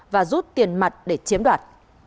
và rút tiền mặt để chiếm đoạt